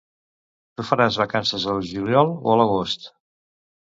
Tu faràs vacances al juliol o a l'agost?